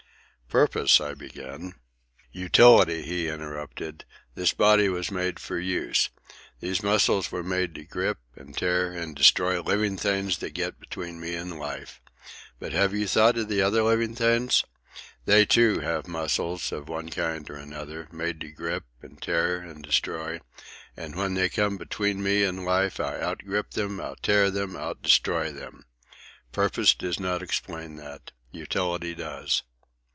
"Purpose—" I began. "Utility," he interrupted. "This body was made for use. These muscles were made to grip, and tear, and destroy living things that get between me and life. But have you thought of the other living things? They, too, have muscles, of one kind and another, made to grip, and tear, and destroy; and when they come between me and life, I out grip them, out tear them, out destroy them. Purpose does not explain that. Utility does."